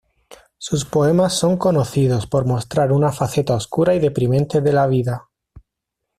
Sus poemas son conocidos por mostrar una faceta oscura y deprimente de la vida.